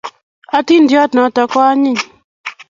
athindiyot noto ko anyiny